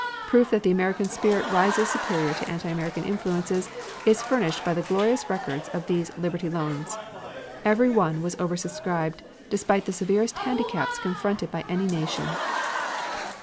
Proof that the American spirit rises superior to anti American influences is furnished by the glorious records of these Liberty Loans. Every one was over subscribed despite the severest handicaps confronted by any nation.